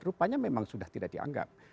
rupanya memang sudah tidak dianggap